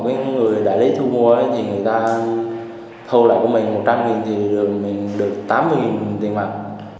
các người đã lấy thu mua thì người ta thâu lại của mình một trăm linh nghìn thì mình được tám mươi nghìn tiền mặt